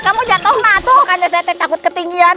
kamu jatuh tidak saya takut ketinggian